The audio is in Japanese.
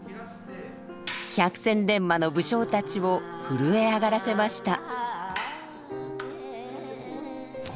百戦錬磨の武将たちを震え上がらせました。